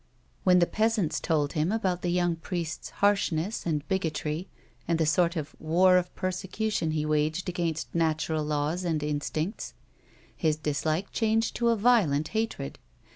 When the peasants told him about the young priest's harsh ness and bigotry and the sort of war of persecution he waged against natural laws and instincts, his dislike changed to a violent hatred.